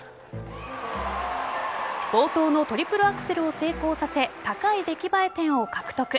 冒頭のトリプルアクセルを成功させ高い出来栄え点を獲得。